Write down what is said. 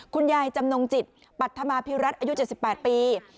คุณยายจำนงจิตปัจธมาพิรัติอายุ๗๘ปี